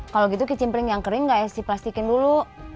kalau gitu kicim pling yang kering gak es diplastikin dulu